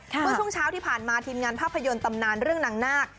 เมื่อช่วงเช้าที่ผ่านมาทีมงานภาพยนตร์ตำนานเรื่องนางนาค